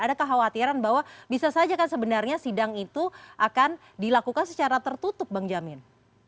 ada kekhawatiran bahwa bisa saja kan sebenarnya sidang itu akan dilakukan secara tertutup bang jamin